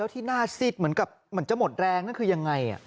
ที่หน้าซิดเหมือนกับเหมือนจะหมดแรงนั่นคือยังไง